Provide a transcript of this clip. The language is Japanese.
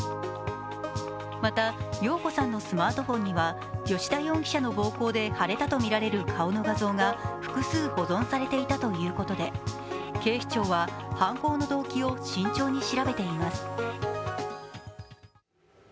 また、容子さんのスマートフォンには吉田容疑者の暴行で腫れたとみられる顔の画像が複数保存されていたということで、警視庁は犯行の動機を慎重に調べています。